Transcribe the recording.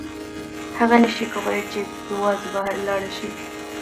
هغه نشي کولی چې یوازې بهر لاړه شي.